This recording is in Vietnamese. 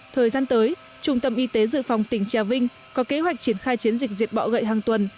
thời gian tới trung tâm y tế dự phòng tỉnh trà vinh có kế hoạch triển khai chiến dịch diệt bọ gậy hàng tuần